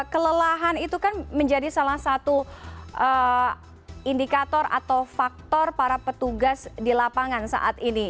kelelahan itu kan menjadi salah satu indikator atau faktor para petugas di lapangan saat ini